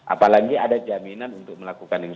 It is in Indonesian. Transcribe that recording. apalagi ada jaminan untuk melakukan ini